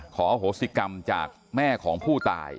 โหสิกรรมจากแม่ของผู้ตาย